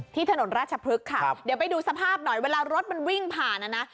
ถนนราชพฤกษ์ค่ะเดี๋ยวไปดูสภาพหน่อยเวลารถมันวิ่งผ่านนะนะ